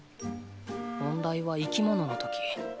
問題は生きものの時。